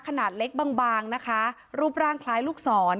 ขนาดเล็กบางบางนะคะรูปร่างคล้ายลูกศร